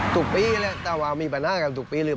ทุกปีเลยแต่ว่ามีปัญหากันทุกปีเลย